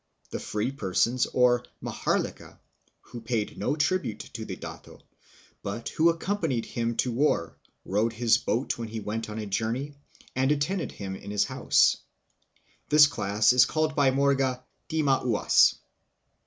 First w r ere the free " maharlika," who paid no tribute to the dato, but who accompanied him to war, rowed his boat when he went on a journey, and attended him hi his house. This class is called by Morga " timauas."